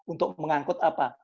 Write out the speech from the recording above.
untuk mengangkut apa